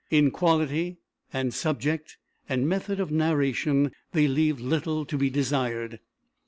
In quality, and subject, and method of narration, they leave little to be desired.